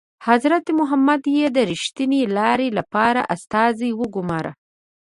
حضرت محمد یې د ریښتینې لارې لپاره استازی وګوماره.